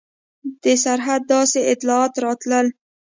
د سرحده داسې اطلاعات راتلل.